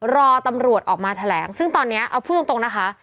รอตำรวจออกมาแถลงซึ่งตอนนี้เอาพูดตรงนะคะ